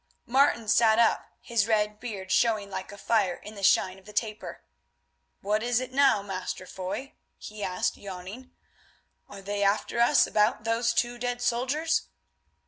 Martin sat up, his red beard showing like a fire in the shine of the taper. "What is it now, Master Foy?" he asked yawning. "Are they after us about those two dead soldiers?"